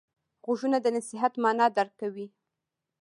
غوږونه د نصیحت معنی درک کوي